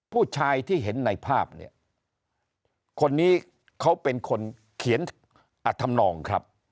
ผู้ชายที่เห็นในภาพเนี่ยคนนี้เขาเป็นคนเขียนอธรรมนองครับ